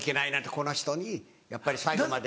この人にやっぱり最後まで。